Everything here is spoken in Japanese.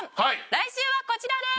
来週はこちらです！